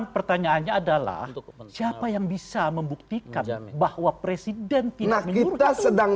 pertanyaannya adalah untuk siapa yang bisa membuktikan bahwa presiden tidak beautiful sedang